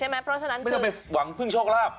ไม่ต้องไปหวังเพิ่งโชคลาบ